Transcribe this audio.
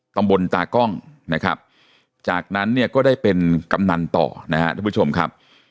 ตำบลตากล้องนะครับจากนั้นเนี่ยก็ได้เป็นกำนันต่อนะครับทุกผู้ชมครับ